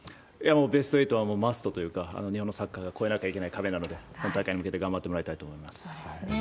いやもう、ベスト８はマストというか、日本のサッカーが越えなきゃいけない壁なので、本大会に向けて頑張ってもらいたいと思います。